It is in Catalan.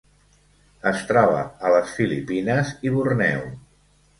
Es troba a les Filipines i Borneo.